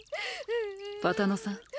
ぱたのさん。